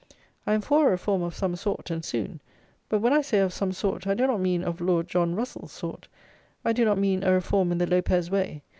I am for a reform of some sort, and soon; but, when I say of some sort, I do not mean of Lord John Russell's sort; I do not mean a reform in the Lopez way.